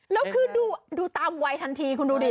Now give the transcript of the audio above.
แล้วคือดูตามวัยทันทีคุณดูดิ